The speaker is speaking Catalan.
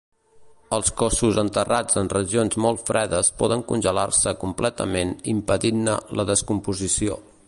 Els cossos enterrats en regions molt fredes poden congelar-se completament impedint-ne la descomposició.